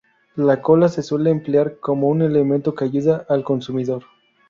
La cola se suele emplear como un elemento que ayuda al consumidor.